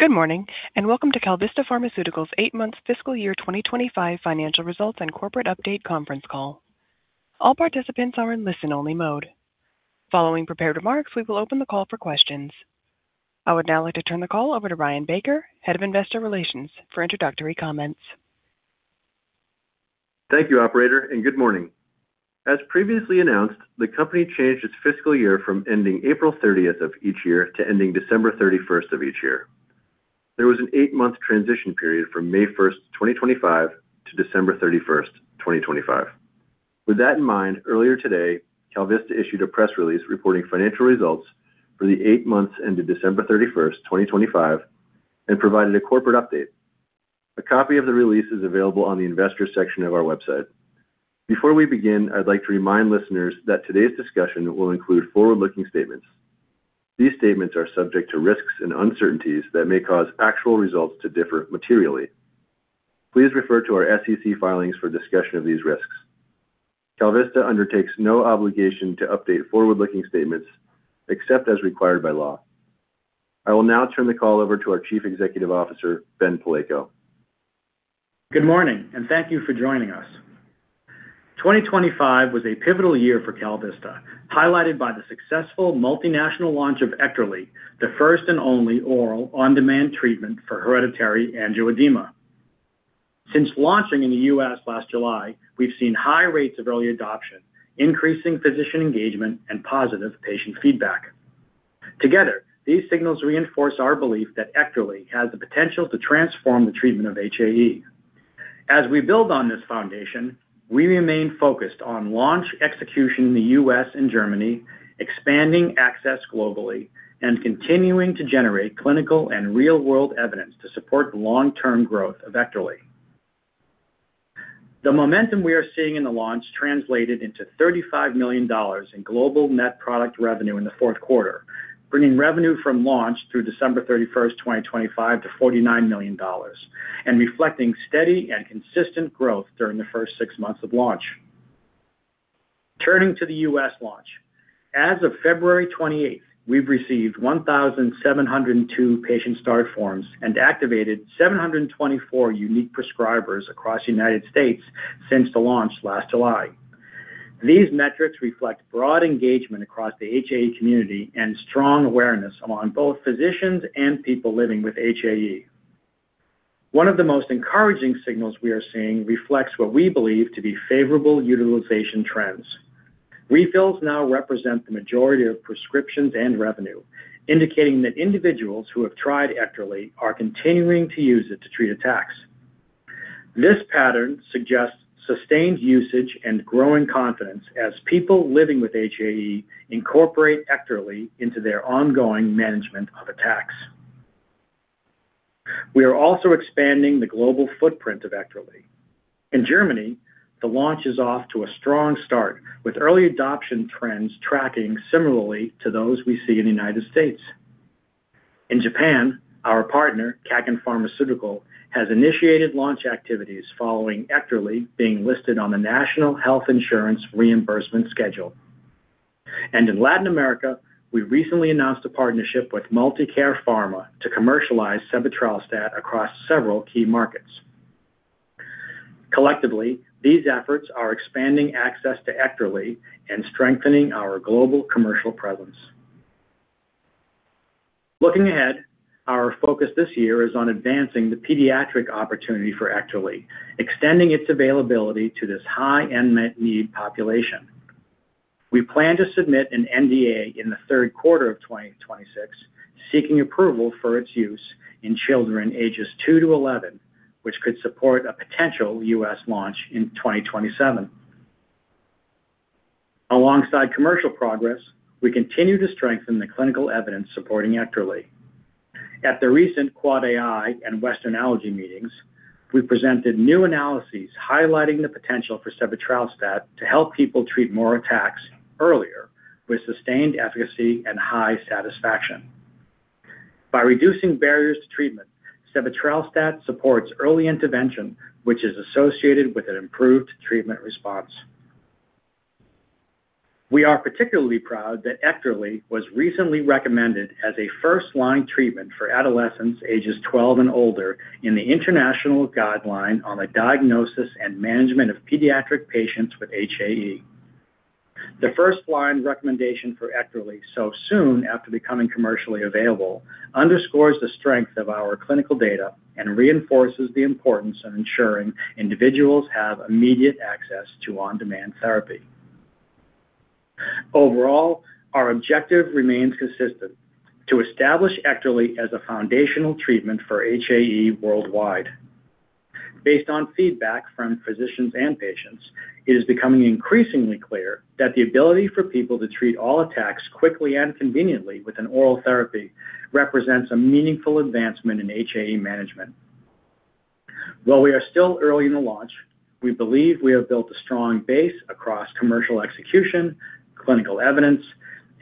Good morning, and welcome to KalVista Pharmaceuticals' eight-month fiscal year 2025 financial results and corporate update conference call. All participants are in listen-only mode. Following prepared remarks, we will open the call for questions. I would now like to turn the call over to Ryan Baker, Head of Investor Relations, for introductory comments. Thank you, operator, and good morning. As previously announced, the company changed its fiscal year from ending April 30th of each year to ending December 31st of each year. There was an eight-month transition period from May 1, 2025 to December 31st, 2025. With that in mind, earlier today, KalVista issued a press release reporting financial results for the eight months ended December 31st, 2025 and provided a corporate update. A copy of the release is available on the investor section of our website. Before we begin, I'd like to remind listeners that today's discussion will include forward-looking statements. These statements are subject to risks and uncertainties that may cause actual results to differ materially. Please refer to our SEC filings for discussion of these risks. KalVista undertakes no obligation to update forward-looking statements except as required by law. I will now turn the call over to our Chief Executive Officer, Ben Palleiko. Good morning, and thank you for joining us. 2025 was a pivotal year for KalVista, highlighted by the successful multinational launch of EKTERLY, the first and only oral on-demand treatment for hereditary angioedema. Since launching in the U.S. last July, we've seen high rates of early adoption, increasing physician engagement, and positive patient feedback. Together, these signals reinforce our belief that EKTERLY has the potential to transform the treatment of HAE. As we build on this foundation, we remain focused on launch execution in the U.S. and Germany, expanding access globally, and continuing to generate clinical and real-world evidence to support the long-term growth of EKTERLY. The momentum we are seeing in the launch translated into $35 million in global net product revenue in the fourth quarter, bringing revenue from launch through December 31, 2025 to $49 million and reflecting steady and consistent growth during the first six months of launch. Turning to the U.S. launch. As of February 28, we've received 1,702 patient start forms and activated 724 unique prescribers across the United States since the launch last July. These metrics reflect broad engagement across the HAE community and strong awareness among both physicians and people living with HAE. One of the most encouraging signals we are seeing reflects what we believe to be favorable utilization trends. Refills now represent the majority of prescriptions and revenue, indicating that individuals who have tried EKTERLY are continuing to use it to treat attacks. This pattern suggests sustained usage and growing confidence as people living with HAE incorporate EKTERLY into their ongoing management of attacks. We are also expanding the global footprint of EKTERLY. In Germany, the launch is off to a strong start, with early adoption trends tracking similarly to those we see in the United States. In Japan, our partner, Kaken Pharmaceutical, has initiated launch activities following EKTERLY being listed on the National Health Insurance Reimbursement Schedule. In Latin America, we recently announced a partnership with Multicare Pharma to commercialize sebetralstat across several key markets. Collectively, these efforts are expanding access to EKTERLY and strengthening our global commercial presence. Looking ahead, our focus this year is on advancing the pediatric opportunity for EKTERLY, extending its availability to this high unmet need population. We plan to submit an NDA in the third quarter of 2026 seeking approval for its use in children ages two to 11, which could support a potential U.S. launch in 2027. Alongside commercial progress, we continue to strengthen the clinical evidence supporting EKTERLY. At the recent AAAAI and Western Allergy meetings, we presented new analyses highlighting the potential for sebetralstat to help people treat more attacks earlier with sustained efficacy and high satisfaction. By reducing barriers to treatment, sebetralstat supports early intervention, which is associated with an improved treatment response. We are particularly proud that EKTERLY was recently recommended as a first-line treatment for adolescents ages 12 and older in the International Guideline on the Diagnosis and Management of Pediatric Patients with HAE. The first-line recommendation for EKTERLY so soon after becoming commercially available underscores the strength of our clinical data and reinforces the importance of ensuring individuals have immediate access to on-demand therapy. Overall, our objective remains consistent, to establish EKTERLY as a foundational treatment for HAE worldwide. Based on feedback from physicians and patients, it is becoming increasingly clear that the ability for people to treat all attacks quickly and conveniently with an oral therapy represents a meaningful advancement in HAE management. While we are still early in the launch, we believe we have built a strong base across commercial execution, clinical evidence,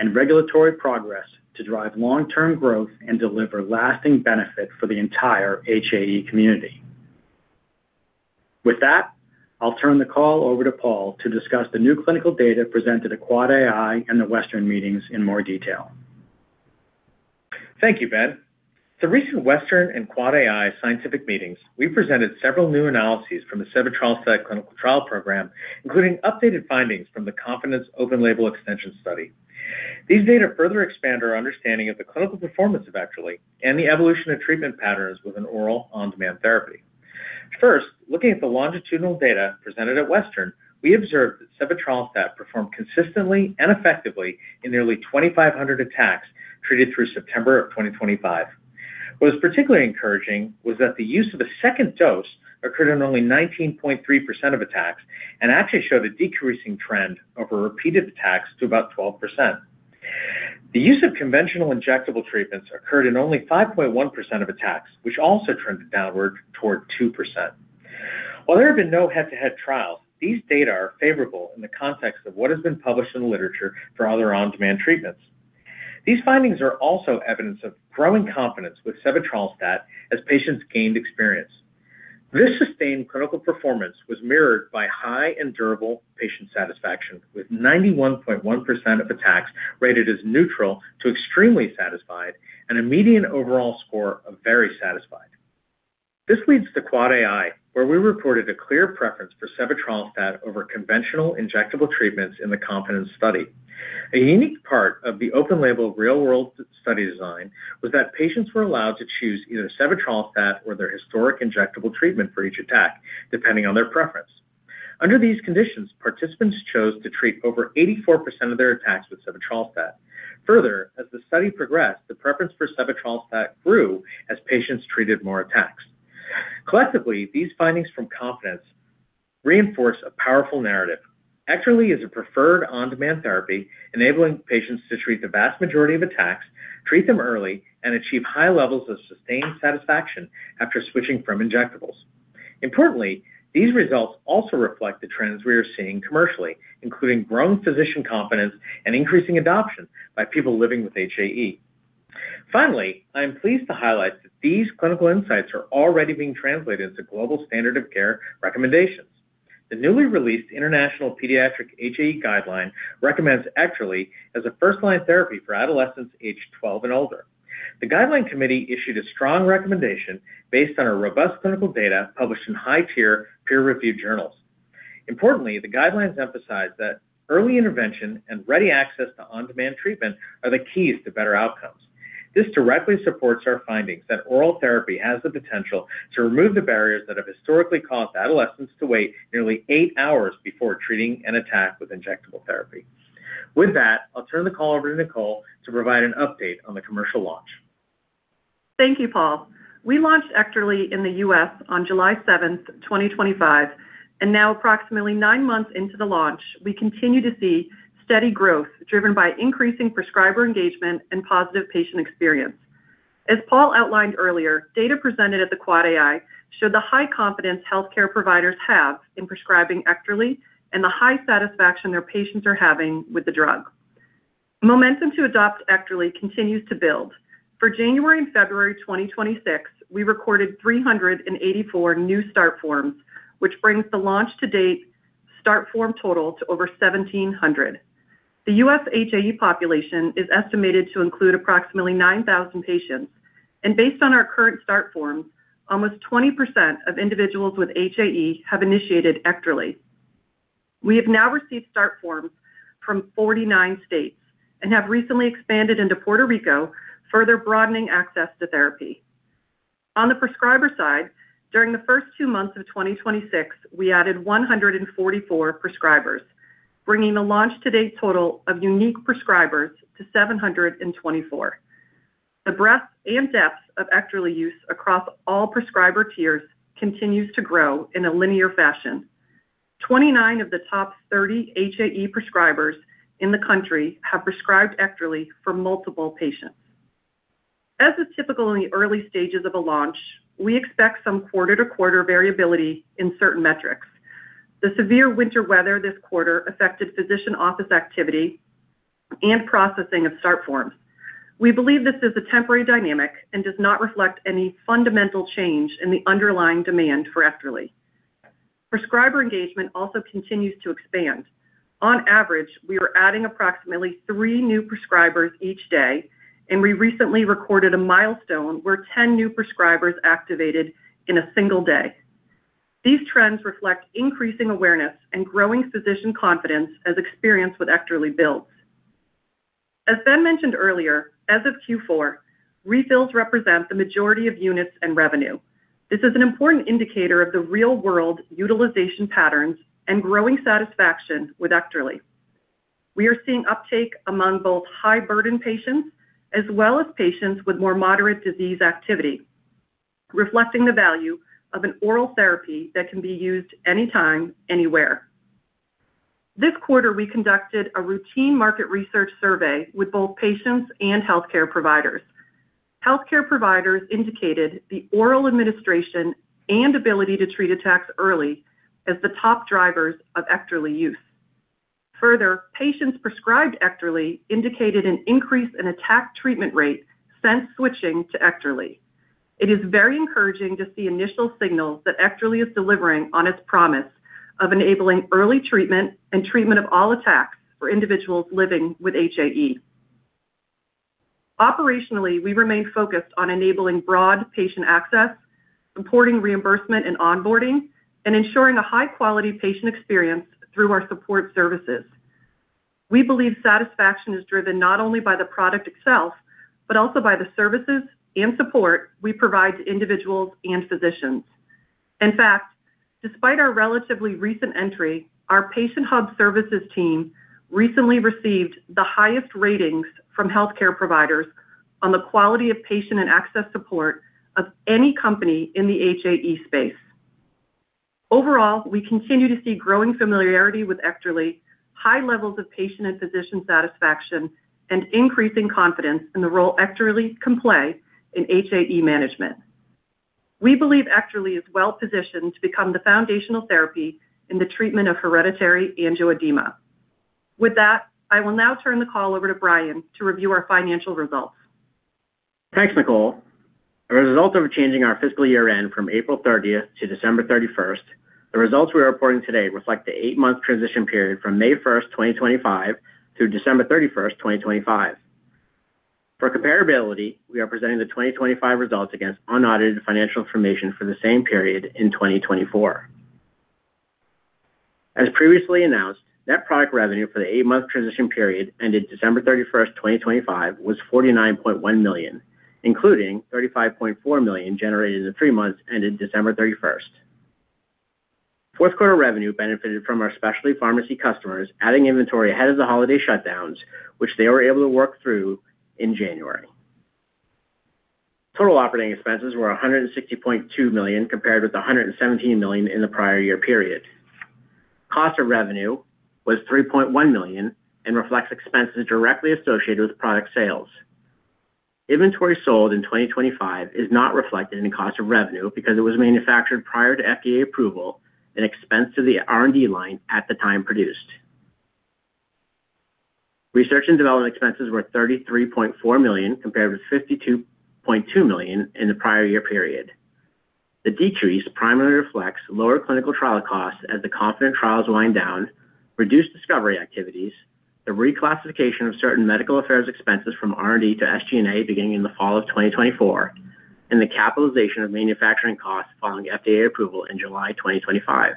and regulatory progress to drive long-term growth and deliver lasting benefit for the entire HAE community. With that, I'll turn the call over to Paul to discuss the new clinical data presented at AAAAI and the Western meetings in more detail. Thank you, Ben. At the recent Western and AAAAI scientific meetings, we presented several new analyses from the sebetralstat clinical trial program, including updated findings from the KONFIDENT open label extension study. These data further expand our understanding of the clinical performance of EKTERLY and the evolution of treatment patterns with an oral on-demand therapy. First, looking at the longitudinal data presented at Western, we observed that sebetralstat performed consistently and effectively in nearly 2,500 attacks treated through September 2025. What was particularly encouraging was that the use of a second dose occurred in only 19.3% of attacks and actually showed a decreasing trend over repeated attacks to about 12%. The use of conventional injectable treatments occurred in only 5.1% of attacks, which also trended downward toward 2%. While there have been no head-to-head trials, these data are favorable in the context of what has been published in the literature for other on-demand treatments. These findings are also evidence of growing confidence with sebetralstat as patients gained experience. This sustained clinical performance was mirrored by high and durable patient satisfaction, with 91.1% of attacks rated as neutral to extremely satisfied and a median overall score of very satisfied. This leads to AAAAI, where we reported a clear preference for sebetralstat over conventional injectable treatments in the KONFIDENT study. A unique part of the open label real-world study design was that patients were allowed to choose either sebetralstat or their historic injectable treatment for each attack, depending on their preference. Under these conditions, participants chose to treat over 84% of their attacks with sebetralstat. Further, as the study progressed, the preference for sebetralstat grew as patients treated more attacks. Collectively, these findings from KONFIDENT reinforce a powerful narrative. EKTERLY is a preferred on-demand therapy, enabling patients to treat the vast majority of attacks, treat them early, and achieve high levels of sustained satisfaction after switching from injectables. Importantly, these results also reflect the trends we are seeing commercially, including growing physician confidence and increasing adoption by people living with HAE. Finally, I am pleased to highlight that these clinical insights are already being translated into global standard of care recommendations. The newly released International Pediatric HAE Guideline recommends EKTERLY as a first-line therapy for adolescents aged 12 and older. The guideline committee issued a strong recommendation based on our robust clinical data published in high-tier peer-reviewed journals. Importantly, the guidelines emphasize that early intervention and ready access to on-demand treatment are the keys to better outcomes. This directly supports our findings that oral therapy has the potential to remove the barriers that have historically caused adolescents to wait nearly eight hours before treating an attack with injectable therapy. With that, I'll turn the call over to Nicole to provide an update on the commercial launch. Thank you, Paul. We launched EKTERLY in the U.S. on July 7, 2025, and now approximately nine months into the launch, we continue to see steady growth driven by increasing prescriber engagement and positive patient experience. As Paul outlined earlier, data presented at the AAAAI showed the high confidence healthcare providers have in prescribing EKTERLY and the high satisfaction their patients are having with the drug. Momentum to adopt EKTERLY continues to build. For January and February 2026, we recorded 384 new start forms, which brings the launch to date start form total to over 1,700. The U.S. HAE population is estimated to include approximately 9,000 patients. Based on our current start forms, almost 20% of individuals with HAE have initiated EKTERLY. We have now received start forms from 49 states and have recently expanded into Puerto Rico, further broadening access to therapy. On the prescriber side, during the first two months of 2026, we added 144 prescribers, bringing the launch to date total of unique prescribers to 724. The breadth and depth of EKTERLY use across all prescriber tiers continues to grow in a linear fashion. 29 of the top 30 HAE prescribers in the country have prescribed EKTERLY for multiple patients. As is typical in the early stages of a launch, we expect some quarter-to-quarter variability in certain metrics. The severe winter weather this quarter affected physician office activity and processing of start forms. We believe this is a temporary dynamic and does not reflect any fundamental change in the underlying demand for EKTERLY. Prescriber engagement also continues to expand. On average, we are adding approximately three new prescribers each day, and we recently recorded a milestone where 10 new prescribers activated in a single day. These trends reflect increasing awareness and growing physician confidence as experience with EKTERLY builds. As Ben mentioned earlier, as of Q4, refills represent the majority of units and revenue. This is an important indicator of the real-world utilization patterns and growing satisfaction with EKTERLY. We are seeing uptake among both high-burden patients as well as patients with more moderate disease activity, reflecting the value of an oral therapy that can be used anytime, anywhere. This quarter, we conducted a routine market research survey with both patients and healthcare providers. Healthcare providers indicated the oral administration and ability to treat attacks early as the top drivers of EKTERLY use. Further, patients prescribed EKTERLY indicated an increase in attack treatment rate since switching to EKTERLY. It is very encouraging to see initial signals that EKTERLY is delivering on its promise of enabling early treatment and treatment of all attacks for individuals living with HAE. Operationally, we remain focused on enabling broad patient access, supporting reimbursement and onboarding, and ensuring a high-quality patient experience through our support services. We believe satisfaction is driven not only by the product itself, but also by the services and support we provide to individuals and physicians. In fact, despite our relatively recent entry, our patient hub services team recently received the highest ratings from healthcare providers on the quality of patient and access support of any company in the HAE space. Overall, we continue to see growing familiarity with EKTERLY, high levels of patient and physician satisfaction, and increasing confidence in the role EKTERLY can play in HAE management. We believe EKTERLY is well-positioned to become the foundational therapy in the treatment of hereditary angioedema. With that, I will now turn the call over to Brian to review our financial results. Thanks, Nicole. As a result of changing our fiscal year-end from April 30 to December 31, the results we are reporting today reflect the eight-month transition period from May 1, 2025 to December 31, 2025. For comparability, we are presenting the 2025 results against unaudited financial information for the same period in 2024. As previously announced, net product revenue for the 8-month transition period ended December 31, 2025 was $49.1 million, including $35.4 million generated in the three months ended December 31. Fourth quarter revenue benefited from our specialty pharmacy customers adding inventory ahead of the holiday shutdowns, which they were able to work through in January. Total operating expenses were $160.2 million compared with $117 million in the prior year period. Cost of revenue was $3.1 million and reflects expenses directly associated with product sales. Inventory sold in 2025 is not reflected in the cost of revenue because it was manufactured prior to FDA approval and expensed to the R&D line at the time produced. Research and development expenses were $33.4 million compared with $52.2 million in the prior year period. The decrease primarily reflects lower clinical trial costs as the KONFIDENT trial wind down, reduced discovery activities, the reclassification of certain medical affairs expenses from R&D to SG&A beginning in the fall of 2024, and the capitalization of manufacturing costs following FDA approval in July 2025.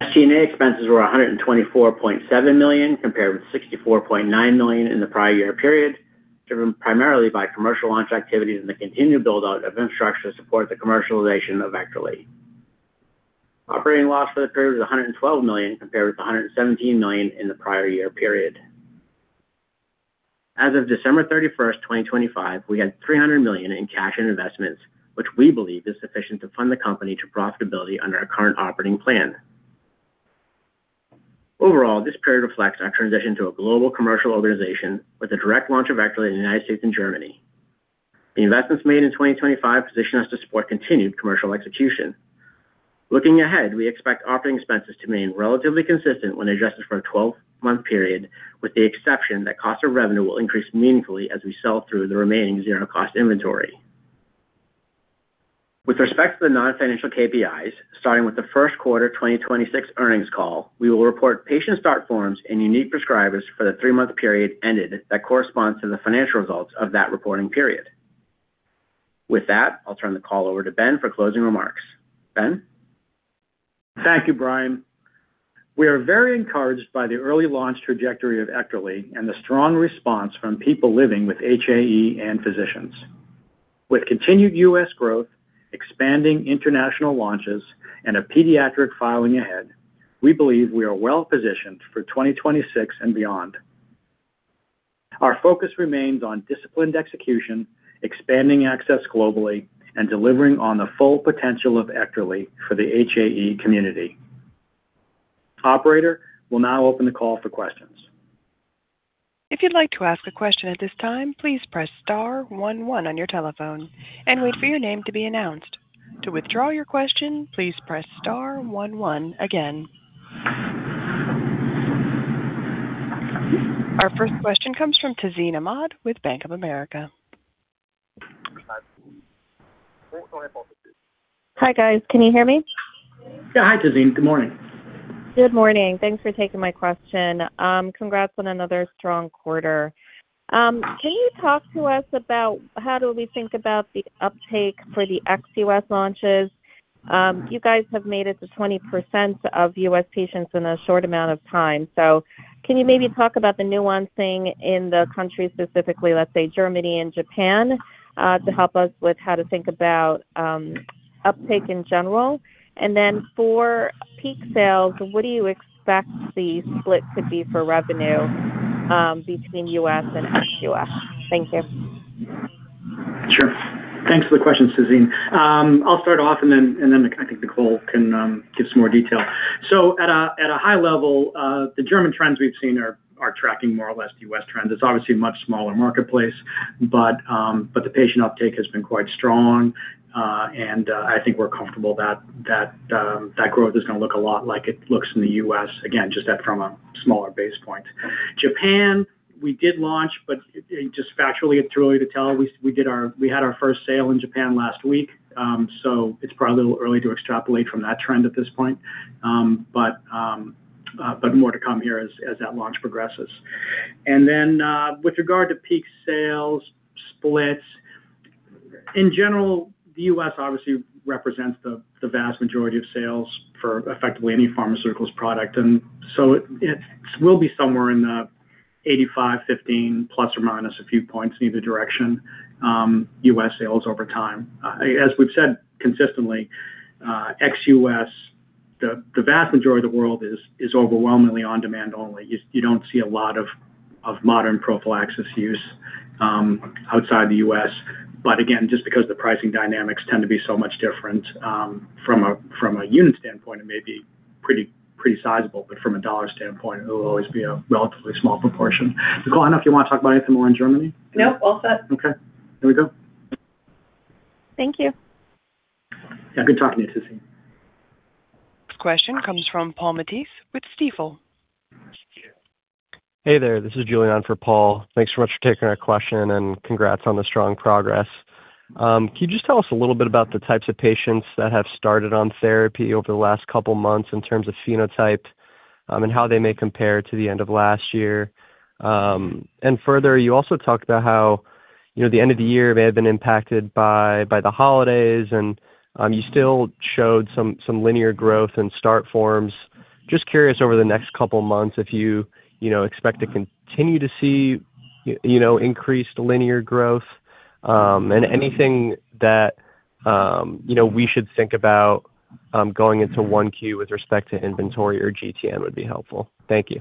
SG&A expenses were $124.7 million compared with $64.9 million in the prior year period, driven primarily by commercial launch activities and the continued build-out of infrastructure to support the commercialization of EKTERLY. Operating loss for the period was $112 million compared with $117 million in the prior year period. As of December 31, 2025, we had $300 million in cash and investments, which we believe is sufficient to fund the company to profitability under our current operating plan. Overall, this period reflects our transition to a global commercial organization with the direct launch of EKTERLY in the United States and Germany. The investments made in 2025 position us to support continued commercial execution. Looking ahead, we expect operating expenses to remain relatively consistent when adjusted for a 12-month period, with the exception that cost of revenue will increase meaningfully as we sell through the remaining zero cost inventory. With respect to the non-financial KPIs, starting with the first quarter 2026 earnings call, we will report patient start forms and unique prescribers for the three-month period ended that corresponds to the financial results of that reporting period. With that, I'll turn the call over to Ben for closing remarks. Ben? Thank you, Brian. We are very encouraged by the early launch trajectory of EKTERLY and the strong response from people living with HAE and physicians. With continued U.S. growth, expanding international launches, and a pediatric filing ahead, we believe we are well-positioned for 2026 and beyond. Our focus remains on disciplined execution, expanding access globally, and delivering on the full potential of EKTERLY for the HAE community. Operator, we'll now open the call for questions. If you'd like to ask a question at this time, please press star one one on your telephone and wait for your name to be announced. To withdraw your question, please press star one one again. Our first question comes from Tazeen Ahmad with Bank of America. Hi, guys. Can you hear me? Yeah. Hi, Tazeen. Good morning. Good morning. Thanks for taking my question. Congrats on another strong quarter. Can you talk to us about how do we think about the uptake for the ex-U.S. launches? You guys have made it to 20% of U.S. patients in a short amount of time. Can you maybe talk about the nuances in the country specifically, let's say Germany and Japan, to help us with how to think about uptake in general? Then for peak sales, what do you expect the split to be for revenue between U.S. and ex-U.S.? Thank you. Sure. Thanks for the question, Tazeen. I'll start off and then I think Nicole can give some more detail. At a high level, the German trends we've seen are tracking more or less U.S. trends. It's obviously a much smaller marketplace, but the patient uptake has been quite strong. I think we're comfortable that growth is gonna look a lot like it looks in the U.S., again, just that from a smaller base point. Japan, we did launch, but just factually and truly to tell, we had our first sale in Japan last week. It's probably a little early to extrapolate from that trend at this point. But more to come here as that launch progresses. And then with regard to peak sales splits, in general, the U.S. obviously represents the vast majority of sales for effectively any pharmaceutical product. So it will be somewhere in the 85-15 ± a few points in either direction, U.S. sales over time. As we've said consistently, ex-U.S., the vast majority of the world is overwhelmingly on-demand only. You don't see a lot of modern prophylaxis use outside the U.S. But again, just because the pricing dynamics tend to be so much different from a unit standpoint, it may be pretty sizable, but from a dollar standpoint, it will always be a relatively small proportion. Nicole, I don't know if you want to talk about it some more in Germany? Nope. All set. Okay. There we go. Thank you. Yeah. Good talking to you, Tazeen. Question comes from Paul Matteis with Stifel. Hey there. This is Julian for Paul. Thanks so much for taking our question, and congrats on the strong progress. Can you just tell us a little bit about the types of patients that have started on therapy over the last couple months in terms of phenotype, and how they may compare to the end of last year? Further, you also talked about how, you know, the end of the year may have been impacted by the holidays and, you still showed some linear growth in start forms. Just curious over the next couple of months if you know, expect to continue to see, you know, increased linear growth, and anything that, you know, we should think about, going into Q1 with respect to inventory or GTM would be helpful. Thank you.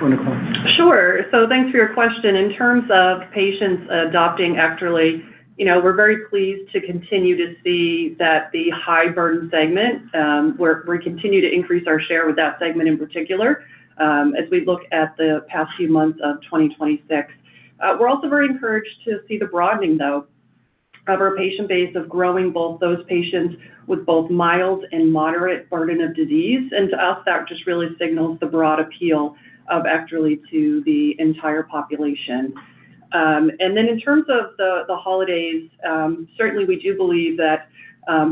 Go, Nicole. Sure. Thanks for your question. In terms of patients adopting EKTERLY, you know, we're very pleased to continue to see that the high burden segment, we're, we continue to increase our share with that segment in particular, as we look at the past few months of 2026. We're also very encouraged to see the broadening, though, of our patient base of growing both those patients with both mild and moderate burden of disease. To us, that just really signals the broad appeal of EKTERLY to the entire population. And in terms of the holidays, certainly we do believe that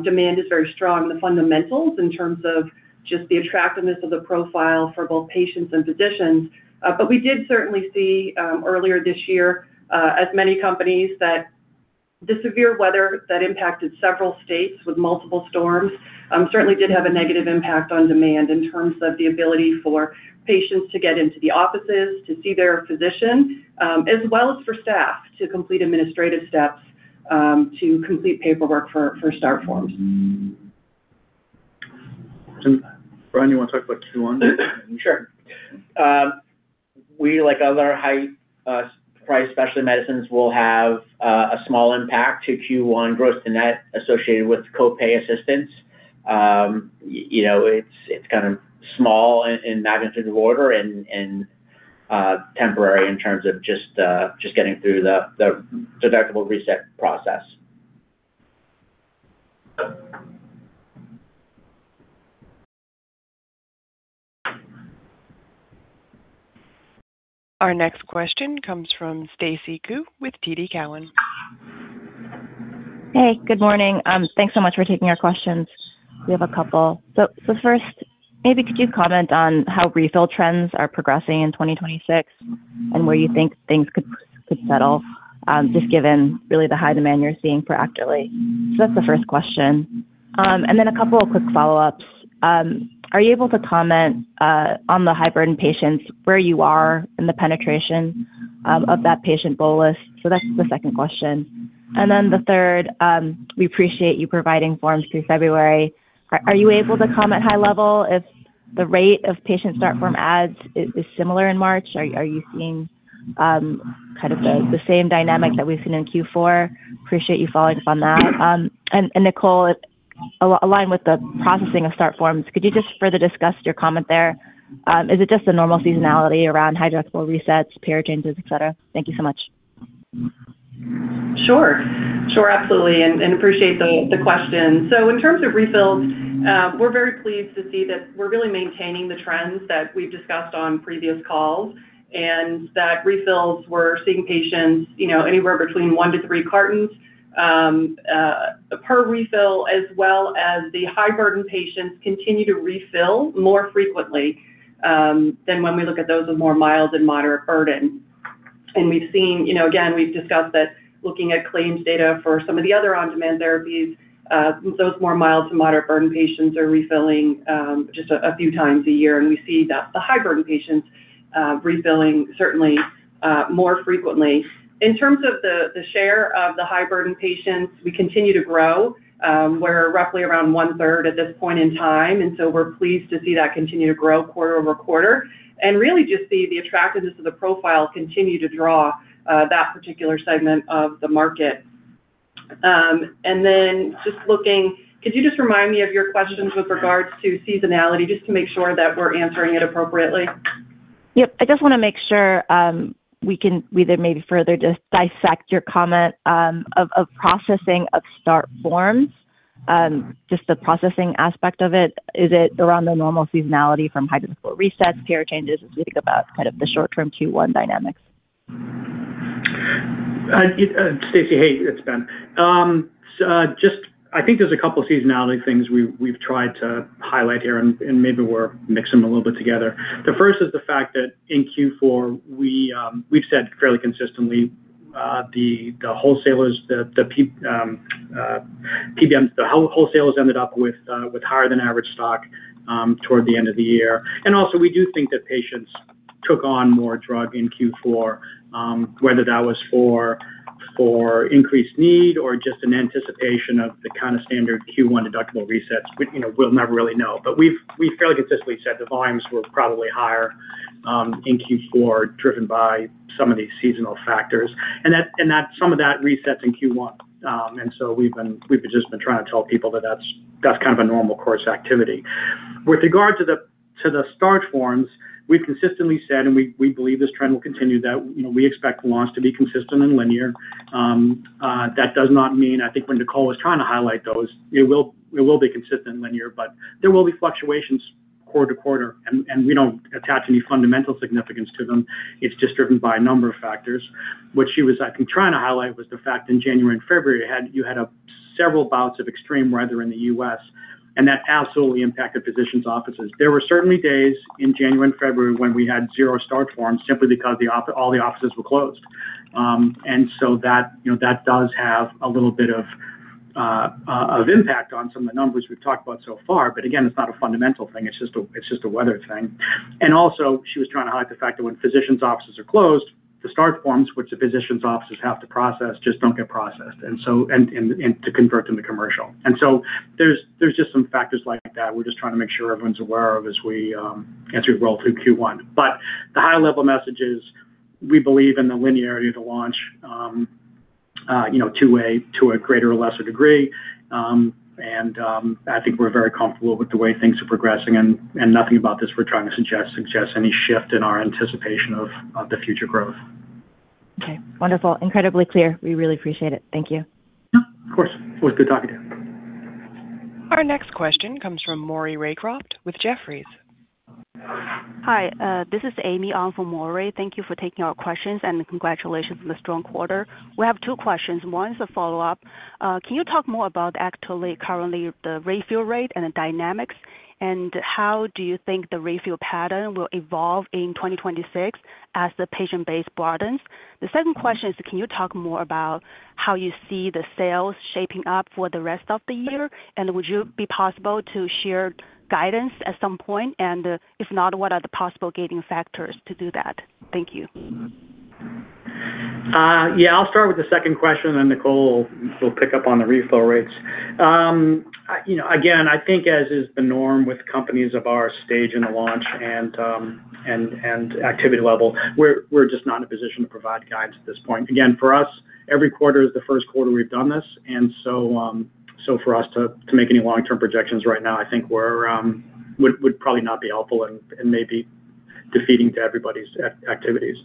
demand is very strong in the fundamentals in terms of just the attractiveness of the profile for both patients and physicians. We did certainly see earlier this year, as many companies, that the severe weather that impacted several states with multiple storms certainly did have a negative impact on demand in terms of the ability for patients to get into the offices to see their physician, as well as for staff to complete administrative steps to complete paperwork for start forms. Brian, you want to talk about Q1? Sure. We, like other high price specialty medicines, will have a small impact to Q1 gross to net associated with co-pay assistance. You know, it's kind of small in magnitude of order and temporary in terms of just getting through the deductible reset process. Our next question comes from Stacy Ku with TD Cowen. Hey, good morning. Thanks so much for taking our questions. We have a couple. First, maybe could you comment on how refill trends are progressing in 2026 and where you think things could settle, just given really the high demand you're seeing for EKTERLY? That's the first question. Then a couple of quick follow-ups. Are you able to comment on the high burden patients, where you are in the penetration of that patient goal list? That's the second question. And then the third, we appreciate you providing forms through February. Are you able to comment high level if the rate of patient start form adds is similar in March? Are you seeing kind of the same dynamic that we've seen in Q4? Appreciate you following up on that. Nicole, aligning with the processing of start forms, could you just further discuss your comment there? Is it just the normal seasonality around high deductible resets, payer changes, et cetera? Thank you so much. Sure, absolutely. Appreciate the question. So in terms of refills, we're very pleased to see that we're really maintaining the trends that we've discussed on previous calls and that refills, we're seeing patients, you know, anywhere between one to three cartons per refill as well as the high burden patients continue to refill more frequently than when we look at those with more mild and moderate burden. We've seen, you know, again, we've discussed that looking at claims data for some of the other on-demand therapies, those more mild to moderate burden patients are refilling just a few times a year, and we see the high burden patients refilling certainly more frequently. In terms of the share of the high burden patients, we continue to grow. We're roughly around one-third at this point in time, and so we're pleased to see that continue to grow quarter-over-quarter and really just see the attractiveness of the profile continue to draw that particular segment of the market. And then just looking, could you just remind me of your questions with regards to seasonality, just to make sure that we're answering it appropriately? Yep. I just wanna make sure, we then maybe further dissect your comment of processing of start forms. Just the processing aspect of it. Is it around the normal seasonality from high deductible resets, care changes, as we think about kind of the short-term Q1 dynamics? Stacy, hey, it's Ben. So just I think there's a couple seasonality things we've tried to highlight here, and maybe we're mixing them a little bit together. The first is the fact that in Q4, we've said fairly consistently, the wholesalers, the PBMs, the wholesalers ended up with higher than average stock toward the end of the year. We do think that patients took on more drug in Q4, whether that was for increased need or just an anticipation of the kind of standard Q1 deductible resets. And you know, we'll never really know. We've fairly consistently said the volumes were probably higher in Q4, driven by some of these seasonal factors. Some of that resets in Q1. We've just been trying to tell people that that's kind of a normal course activity. With regard to the start forms, we've consistently said, and we believe this trend will continue, that, you know, we expect launches to be consistent and linear. That does not mean, I think when Nicole was trying to highlight those, it will be consistent and linear, but there will be fluctuations quarter to quarter, and we don't attach any fundamental significance to them. It's just driven by a number of factors. What she was actually trying to highlight was the fact in January and February, you had several bouts of extreme weather in the U.S., and that absolutely impacted physicians' offices. There were certainly days in January and February when we had zero start forms simply because all the offices were closed. That, you know, that does have a little bit of impact on some of the numbers we've talked about so far. Again, it's not a fundamental thing. It's just a weather thing. And also, she was trying to highlight the fact that when physicians' offices are closed, the start forms which the physicians' offices have to process just don't get processed, and to convert them to commercial. And so there's just some factors like that we're just trying to make sure everyone's aware of as we roll through Q1. The high level message is, we believe in the linearity of the launch, you know, to a greater or lesser degree. And I think we're very comfortable with the way things are progressing and nothing about this we're trying to suggest any shift in our anticipation of the future growth. Okay, wonderful. Incredibly clear. We really appreciate it. Thank you. Yeah, of course. Always good talking to you. Our next question comes from Maury Raycroft with Jefferies. Hi, this is Amy on for Maury. Thank you for taking our questions, and congratulations on the strong quarter. We have two questions. One is a follow-up. Can you talk more about actually currently the refill rate and the dynamics, and how do you think the refill pattern will evolve in 2026 as the patient base broadens? The second question is, can you talk more about how you see the sales shaping up for the rest of the year, and would you be possible to share guidance at some point? And if not, what are the possible gating factors to do that? Thank you. Yeah. I'll start with the second question, then Nicole will pick up on the refill rates. You know, again, I think as is the norm with companies of our stage in the launch and activity level, we're just not in a position to provide guidance at this point. And again, for us, every quarter is the first quarter we've done this, and so for us to make any long-term projections right now, I think we would probably not be helpful and maybe defeating to everybody's activities.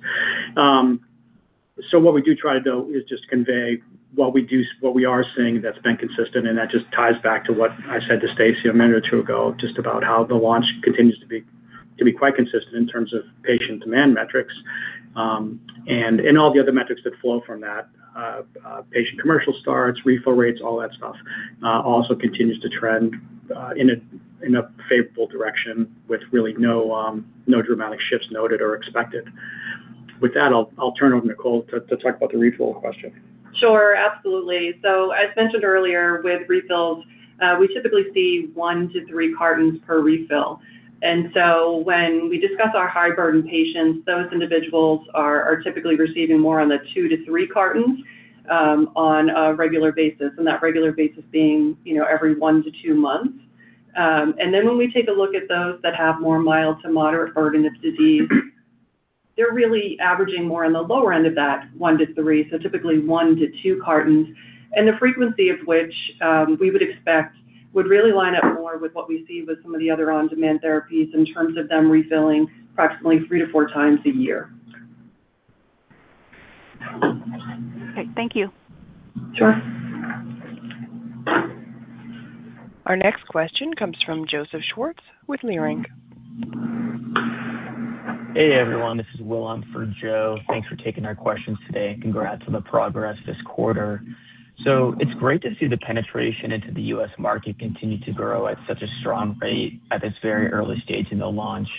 What we are seeing that's been consistent, and that just ties back to what I said to Stacy a minute or two ago, just about how the launch continues to be quite consistent in terms of patient demand metrics, and all the other metrics that flow from that. Patient commercial starts, refill rates, all that stuff also continues to trend in a favorable direction with really no dramatic shifts noted or expected. With that, I'll turn it over to Nicole to talk about the refill question. Sure. Absolutely. As mentioned earlier, with refills, we typically see one to three cartons per refill. When we discuss our high-burden patients, those individuals are typically receiving more on the two to three cartons, on a regular basis, and that regular basis being, you know, every one to two months. When we take a look at those that have more mild to moderate burden of disease, they're really averaging more on the lower end of that one to three, so typically one to two cartons. The frequency of which we would expect would really line up more with what we see with some of the other on-demand therapies in terms of them refilling approximately three to four times a year. Okay, thank you. Sure. Our next question comes from Joseph Schwartz with Leerink. Hey, everyone. This is Will on for Joe. Thanks for taking our questions today, and congrats on the progress this quarter. It's great to see the penetration into the U.S. market continue to grow at such a strong rate at this very early stage in the launch.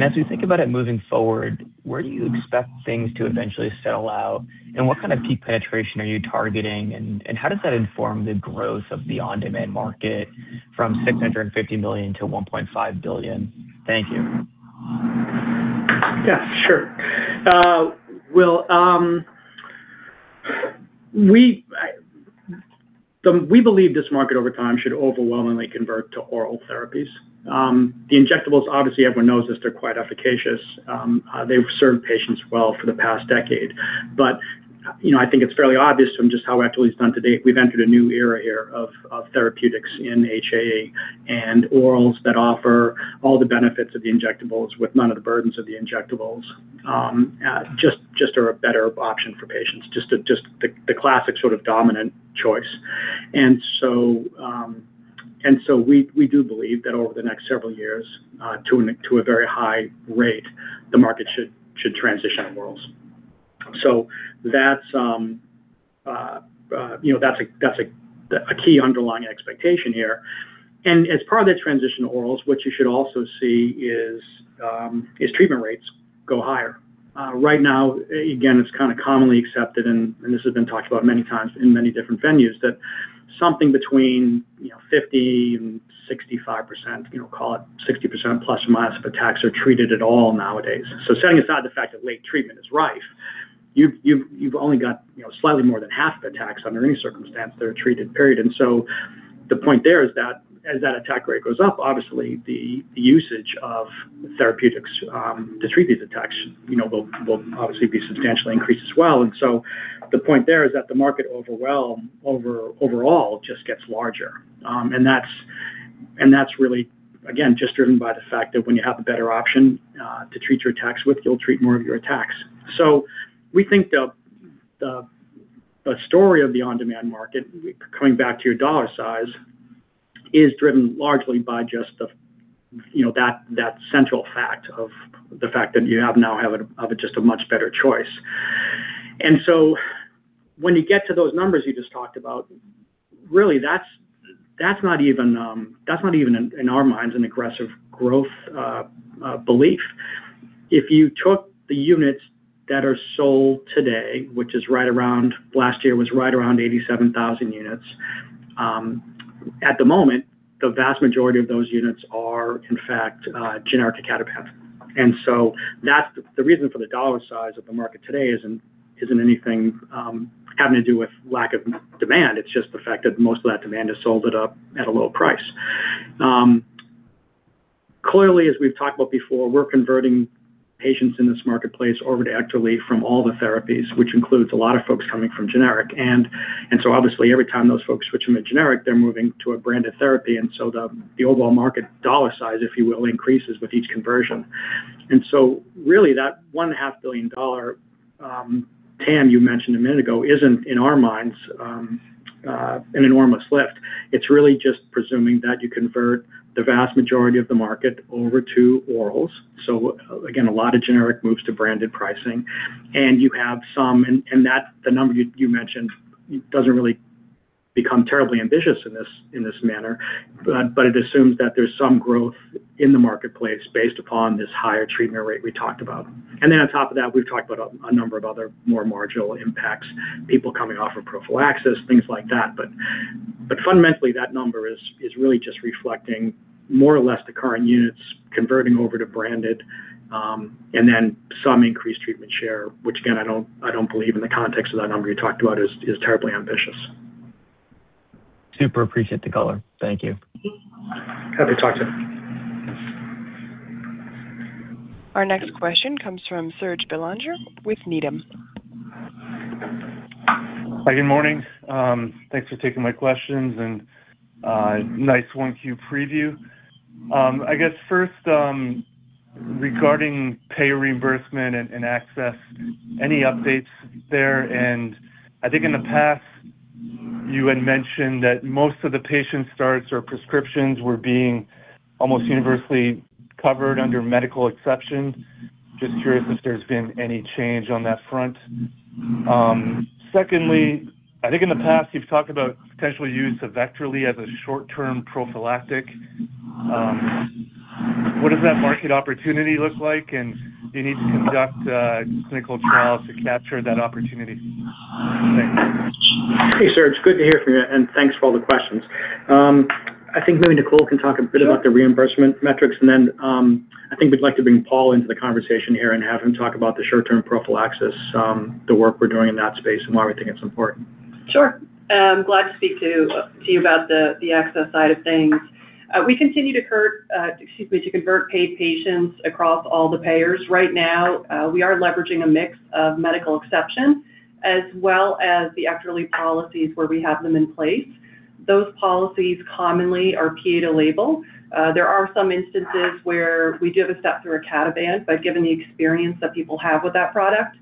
As we think about it moving forward, where do you expect things to eventually settle out, and what kind of peak penetration are you targeting, and how does that inform the growth of the on-demand market from $650 million to $1.5 billion? Thank you. Yeah, sure. Will, we believe this market over time should overwhelmingly convert to oral therapies. The injectables, obviously, everyone knows this, they're quite efficacious. They've served patients well for the past decade. You know, I think it's fairly obvious from just how Actively has done to date. We've entered a new era here of therapeutics in HAE and orals that offer all the benefits of the injectables with none of the burdens of the injectables, just are a better option for patients, just the classic sort of dominant choice. We do believe that over the next several years, to a very high rate, the market should transition to orals. You know, that's a key underlying expectation here. As part of that transition to orals, what you should also see is treatment rates go higher. Right now, again, it's kinda commonly accepted, and this has been talked about many times in many different venues, that something between, you know, 50% and 65%, you know, call it 60%± of attacks are treated at all nowadays. Setting aside the fact that late treatment is rife, you've only got, you know, slightly more than half the attacks under any circumstance that are treated, period. The point there is that as that attack rate goes up, obviously, the usage of therapeutics to treat these attacks, you know, will obviously be substantially increased as well. The point there is that the market overall just gets larger. That's really, again, just driven by the fact that when you have a better option to treat your attacks with, you'll treat more of your attacks. We think the story of the on-demand market, coming back to your dollar size, is driven largely by just you know that central fact that you now have just a much better choice. When you get to those numbers you just talked about, really, that's not even in our minds an aggressive growth belief. If you took the units that are sold today, which last year was right around 87,000 units, at the moment, the vast majority of those units are, in fact, generic icatibant. That's the reason for the dollar size of the market today isn't anything having to do with lack of demand. It's just the fact that most of that demand is sold at a low price. Clearly, as we've talked about before, we're converting patients in this marketplace over to actives from all the therapies, which includes a lot of folks coming from generic. Obviously every time those folks switch from a generic, they're moving to a branded therapy. The overall market dollar size, if you will, increases with each conversion. Really that one half billion-dollar TAM you mentioned a minute ago isn't, in our minds, an enormous lift. It's really just presuming that you convert the vast majority of the market over to orals. Again, a lot of generic moves to branded pricing, and that the number you mentioned doesn't really become terribly ambitious in this manner, but it assumes that there's some growth in the marketplace based upon this higher treatment rate we talked about. Then on top of that, we've talked about a number of other more marginal impacts, people coming off of prophylaxis, things like that. Fundamentally, that number is really just reflecting more or less the current units converting over to branded, and then some increased treatment share, which again, I don't believe in the context of that number you talked about is terribly ambitious. Super appreciate the color. Thank you. Happy to talk to you. Our next question comes from Serge Belanger with Needham. Hi, good morning. Thanks for taking my questions and, nice 1Q preview. I guess first, regarding payer reimbursement and access, any updates there? I think in the past you had mentioned that most of the patient starts or prescriptions were being almost universally covered under medical exception. Just curious if there's been any change on that front. Secondly, I think in the past you've talked about potential use of EKTERLY as a short-term prophylactic. What does that market opportunity look like? Do you need to conduct clinical trials to capture that opportunity? Thanks. Hey, Serge. Good to hear from you, and thanks for all the questions. I think maybe Nicole can talk a bit about the reimbursement metrics. I think we'd like to bring Paul into the conversation here and have him talk about the short-term prophylaxis, the work we're doing in that space and why we think it's important. Sure. I'm glad to speak to you about the access side of things. We continue to convert paid patients across all the payers. Right now we are leveraging a mix of medical exception as well as the active policies where we have them in place. Those policies commonly are paid label. There are some instances where we do have a step through icatibant, but given the experience that people have with that product,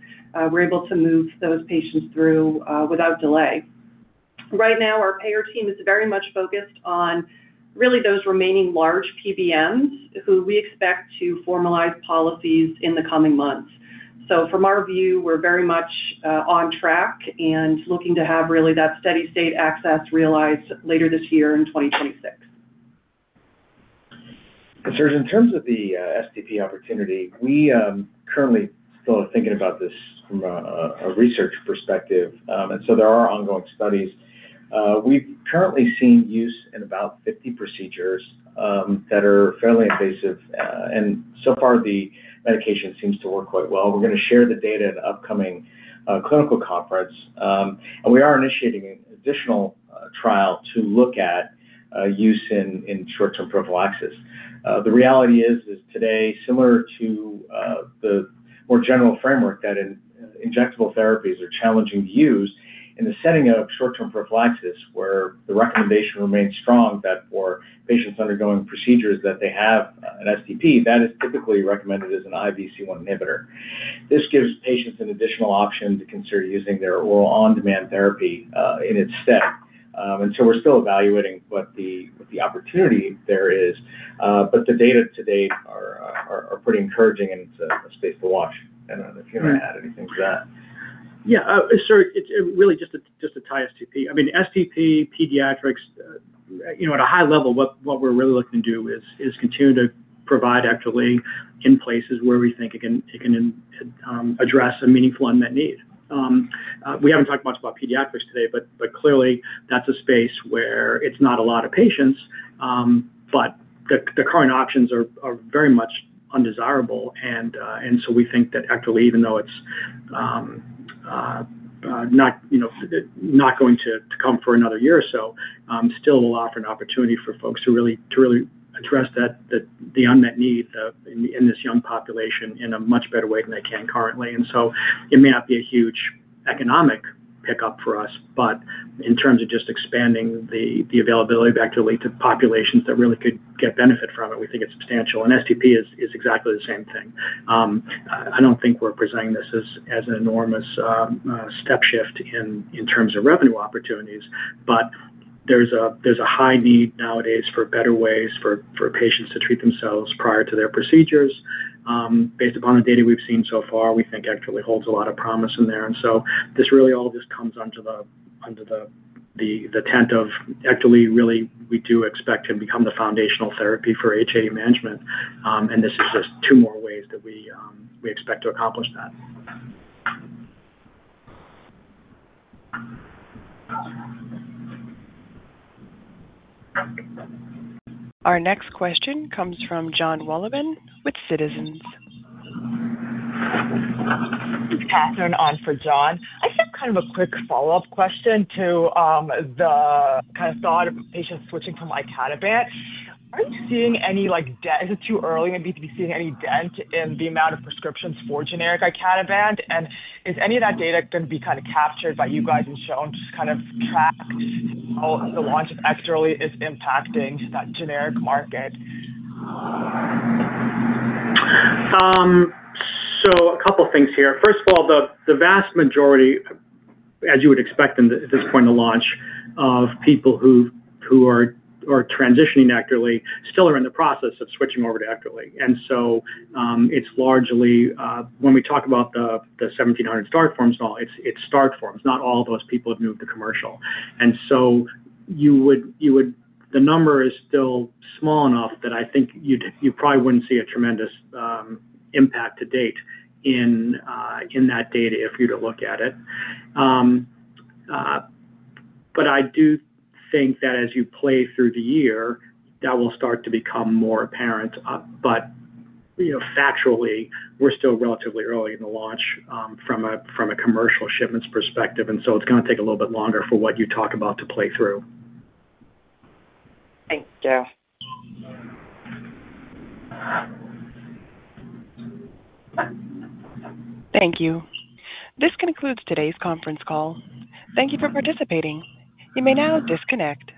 we're able to move those patients through without delay. Right now, our payer team is very much focused on really those remaining large PBMs who we expect to formalize policies in the coming months. From our view, we're very much on track and looking to have really that steady state access realized later this year in 2026. Serge, in terms of the STP opportunity, we currently still are thinking about this from a research perspective. There are ongoing studies. We've currently seen use in about 50 procedures that are fairly invasive and so far the medication seems to work quite well. We're gonna share the data at an upcoming clinical conference and we are initiating additional Trial to look at use in short-term prophylaxis. The reality is today, similar to the more general framework that injectable therapies are challenging to use in the setting of short-term prophylaxis, where the recommendation remains strong that for patients undergoing procedures that they have an STP, that is typically recommended as an IV C1 inhibitor. This gives patients an additional option to consider using their oral on-demand therapy in this setting. We're still evaluating what the opportunity there is. The data to date are pretty encouraging, and it's a space to watch. I don't know if you want to add anything to that. Yeah. Sure. It really just to tie STP. I mean, STP pediatrics, you know, at a high level what we're really looking to do is continue to provide EKTERLY in places where we think it can address a meaningful unmet need. We haven't talked much about pediatrics today, but clearly that's a space where it's not a lot of patients, but the current options are very much undesirable. We think that EKTERLY, even though it's not, you know, not going to come for another year or so, still will offer an opportunity for folks to really address that the unmet need of in this young population in a much better way than they can currently. So it may not be a huge economic pickup for us, but in terms of just expanding the availability of EKTERLY to populations that really could get benefit from it, we think it's substantial. STP is exactly the same thing. I don't think we're presenting this as an enormous step shift in terms of revenue opportunities, but there's a high need nowadays for better ways for patients to treat themselves prior to their procedures. Based upon the data we've seen so far, we think EKTERLY holds a lot of promise in there. This really all just comes under the tent of EKTERLY really we do expect to become the foundational therapy for HAE management, and this is just two more ways that we expect to accomplish that. Our next question comes from Jonathan Wolleben with Citizens. It's Catherine on for Jon. I just have kind of a quick follow-up question to the kind of thought of patients switching from icatibant. Are you seeing any, like, is it too early maybe to be seeing any dent in the amount of prescriptions for generic icatibant? And is any of that data going to be kind of captured by you guys and shown to just kind of track how the launch of EKTERLY is impacting that generic market? A couple things here. First of all, the vast majority, as you would expect at this point in the launch of people who are transitioning EKTERLY still are in the process of switching over to EKTERLY. And so it's largely when we talk about the 1,700 start forms, it's start forms. Not all those people have moved to commercial. And so the number is still small enough that I think you probably wouldn't see a tremendous impact to date in that data if you were to look at it. I do think that as you play through the year, that will start to become more apparent. You know, factually, we're still relatively early in the launch, from a commercial shipments perspective, and so it's gonna take a little bit longer for what you talk about to play through. Thanks, Ben. Thank you. This concludes today's conference call. Thank you for participating. You may now disconnect.